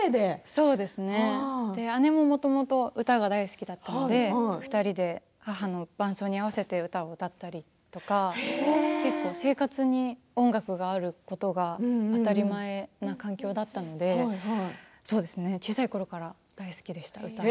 そうですね、姉ももともと歌が大好きだったので２人で母の伴奏に合わせて歌を歌ったりとか生活に音楽があることが当たり前の環境だったので小さいころから大好きでした。